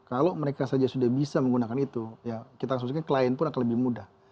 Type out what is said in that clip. kalau mereka saja sudah bisa menggunakan itu ya kita harus maksudnya klien pun akan lebih mudah